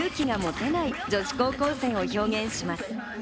けれど勇気が持てない女子高生を表現します。